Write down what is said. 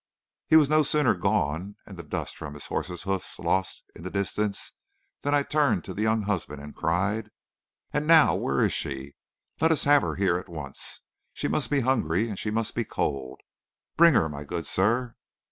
"He was no sooner gone, and the dust from his horse's hoofs lost in the distance, than I turned to the young husband, and cried: "'And now where is she? Let us have her here at once. She must be hungry, and she must be cold. Bring her, my good sir.'